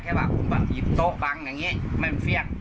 แค่ว่าผมหยิบโต๊คบ้างอย่างงี้ไม่มาเพียก